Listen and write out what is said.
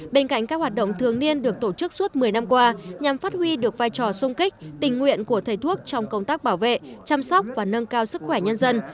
bên cạnh các hoạt động thường niên được tổ chức suốt một mươi năm qua nhằm phát huy được vai trò sung kích tình nguyện của thầy thuốc trong công tác bảo vệ chăm sóc và nâng cao sức khỏe nhân dân